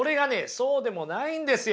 そうでもないんですよ。